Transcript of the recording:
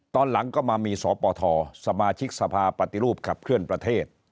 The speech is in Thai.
ตอนหลังก็มามีสปทสมาชิกสภาปฏิรูปขับเคลื่อนประเทศ